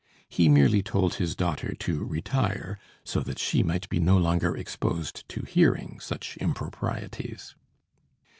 He merely told his daughter to retire, so that she might be no longer exposed to hearing such improprieties.